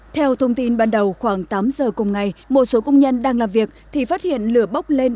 theo thông tin ban đầu khoảng tám giờ cùng ngày một số công nhân đang làm việc thì phát hiện lửa bốc lên